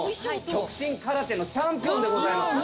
極真空手のチャンピオンでございます。